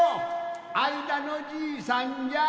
あいだのじいさん？